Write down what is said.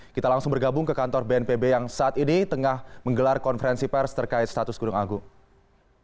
kita langsung bergabung ke kantor bnpb yang saat ini tengah menggelar konferensi pers terkait status gunung agung